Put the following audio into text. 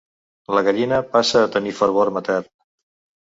La gallina passa a tenir fervor matern.